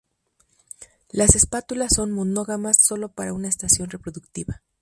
Las espátulas son monógamas sólo para una estación reproductiva.